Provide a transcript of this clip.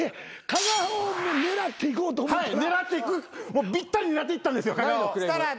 もうびったり狙っていったんですよ加賀を。